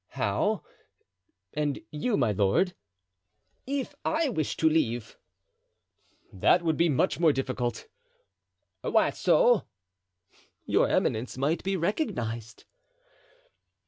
"How? and you, my lord?" "If I wish to leave?" "That would be much more difficult." "Why so?" "Your eminence might be recognized."